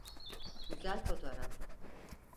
Güzel fotoğraf.